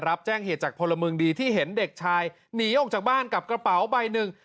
รับแจ้งเหตุจากพลเมืองดีที่เห็นเด็กชายหนีออกจากบ้านกับกระเป๋าใบหนึ่ง